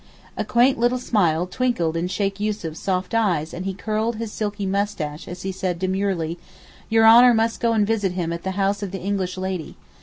A quaint little smile twinkled in Sheykh Yussuf's soft eyes and he curled his silky moustache as he said demurely, 'Your Honour must go and visit him at the house of the English Lady.